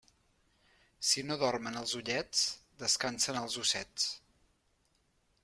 Si no dormen els ullets, descansen els ossets.